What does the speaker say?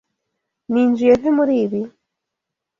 Ninjiye nte muri ibi?